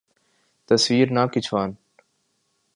تصویر نہ کھنچوان